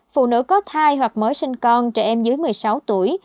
phụ nữ có thai hoặc mở sinh con trẻ em dưới một mươi sáu tuổi